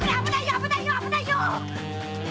危ないよ危ないよ‼